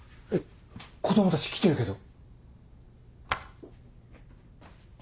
子供たち来てるけど。